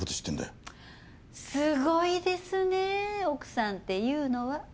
すごいですね奥さんっていうのは。